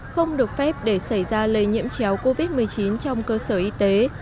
không được phép để xảy ra lây nhiễm chéo covid một mươi chín trong cơ sở y tế